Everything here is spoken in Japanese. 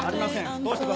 通してください。